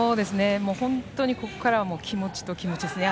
本当にここからは気持ちと気持ちですね。